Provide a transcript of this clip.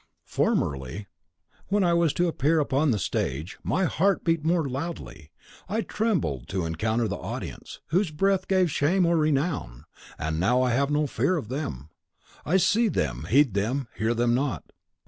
.... "Formerly, when I was to appear upon the stage, my heart beat more loudly. I trembled to encounter the audience, whose breath gave shame or renown; and now I have no fear of them. I see them, heed them, hear them not!